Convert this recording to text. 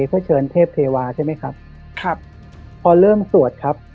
ก็เชิญเทพเทวาใช่ไหมครับครับพอเริ่มสวดครับ